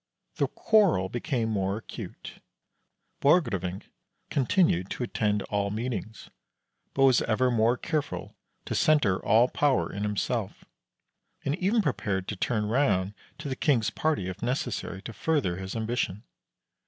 The quarrel became more acute. Borgrevinck continued to attend all meetings, but was ever more careful to centre all power in himself, and even prepared to turn round to the king's party if necessary to further his ambition.